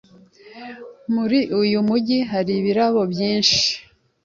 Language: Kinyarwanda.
Muri uyu mujyi hari ibiraro byinshi.